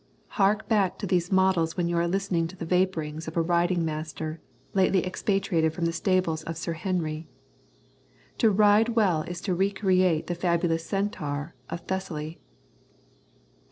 Hark back to these models when you are listening to the vapourings of a riding master lately expatriated from the stables of Sir Henry. To ride well is to recreate the fabulous centaur of Thessaly.